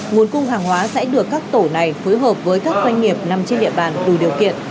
nguồn cung hàng hóa sẽ được các tổ này phối hợp với các doanh nghiệp nằm trên địa bàn đủ điều kiện